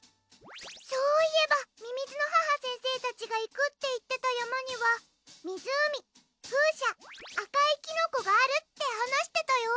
そういえばみみずの母先生たちがいくっていってたやまにはみずうみふうしゃあかいキノコがあるってはなしてたよ。